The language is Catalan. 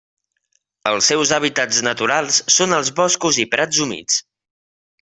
Els seus hàbitats naturals són els boscos i prats humits.